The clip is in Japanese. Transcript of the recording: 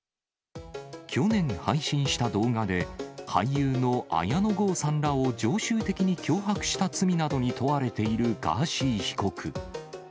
去年、配信した動画で、俳優の綾野剛さんらを常習的に脅迫した罪などに問われているガーシー被告。